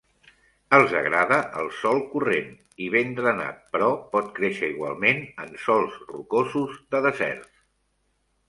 Els agrada el sòl corrent i ben drenat, però pot créixer igualment en sòls rocosos de deserts.